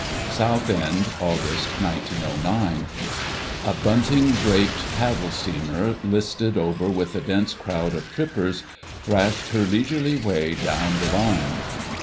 "* SOUTHEND, AUGUST 1909. A bunting draped paddle steamer, listed over with a dense crowd of trippers, thrashed her leisurely way down the lines.